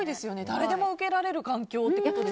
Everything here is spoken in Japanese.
誰でも受けられる環境って。